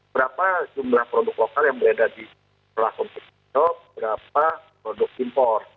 berapa jumlah produk lokal yang beredar di platform digital berapa produk impor